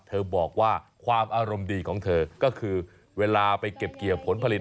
บอกว่าความอารมณ์ดีของเธอก็คือเวลาไปเก็บเกี่ยวผลผลิต